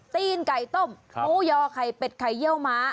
ตีนไก่ต้มหมูยอไข่เป็ดไข่เยี่ยวม้า